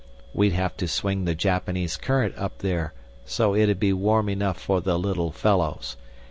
we'd have to swing the Japanese Current up there so it'd be warm enough for the little fellows....